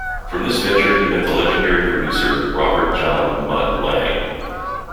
From this venture he met the legendary producer Robert John "Mutt" Lange.